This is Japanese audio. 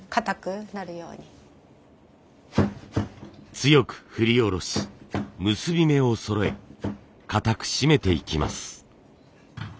強く振り下ろし結び目をそろえ固く締めていきます。